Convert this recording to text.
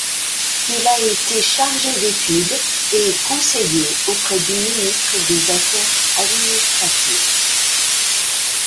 Il a été chargé d’études, et conseiller auprès du ministre des Affaires administratives.